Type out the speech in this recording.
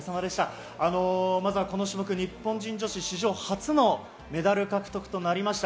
この種目、日本人女子史上初のメダル獲得となりました。